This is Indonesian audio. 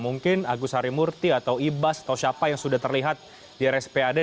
mungkin agus harimurti atau ibas atau siapa yang sudah terlihat di rspad